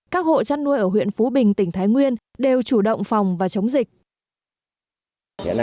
các hộ chăn nuôi ở huyện phú bình tỉnh thái nguyên đều chủ động phòng và chống dịch